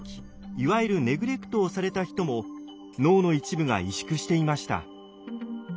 いわゆるネグレクトをされた人も脳の一部が萎縮していました。